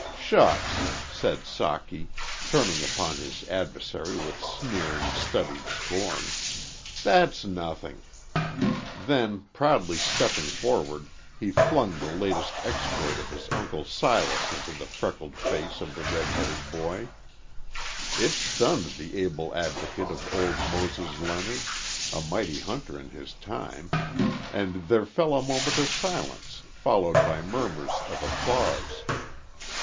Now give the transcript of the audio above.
"Shucks!" said Socky, turning upon his adversary with sneering, studied scorn. "That's nothing!" Then proudly stepping forward, he flung the latest exploit of his Uncle Silas into the freckled face of the red headed boy. It stunned the able advocate of old Moses Leonard a mighty hunter in his time and there fell a moment of silence followed by murmurs of applause.